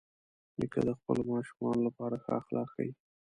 نیکه د خپلو ماشومانو لپاره ښه اخلاق ښيي.